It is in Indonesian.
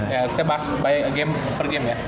ya kita bahas banyak per game ya